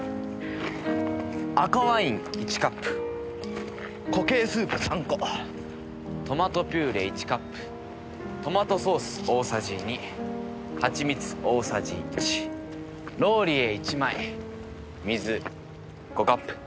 赤ワイン１カップ固形スープ３個トマトピューレ１カップトマトソース大さじ２ハチミツ大さじ１ローリエ１枚水５カップ。